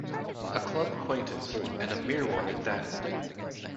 A club acquaintance, and a mere one at that.